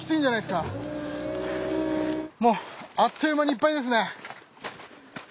もうあっという間にいっぱいですね。